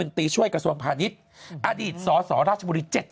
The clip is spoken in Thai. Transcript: รัฐมนตรีช่วยกระส่วนธานิตอดีตสรสรราชบุรีจต์